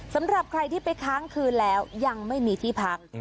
สำหรับใครที่ไปค้างคืนแล้วยังไม่มีที่พัก